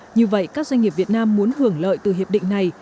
như vậy các doanh nghiệp việt nam muốn hưởng lợi từ hiệp định này